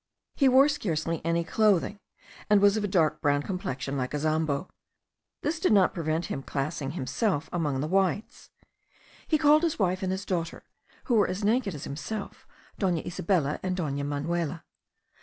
He wore scarcely any clothing, and was of a dark brown complexion like a Zambo. This did not prevent his classing himself amongst the Whites. He called his wife and his daughter, who were as naked as himself, Dona Isabella and Dona Manuela.